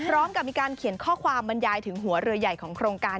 พร้อมกับมีการเขียนข้อความบรรยายถึงหัวเรือใหญ่ของโครงการ